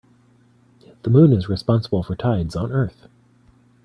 The moon is responsible for tides on earth.